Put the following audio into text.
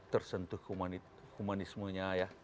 tersentuh humanismenya ya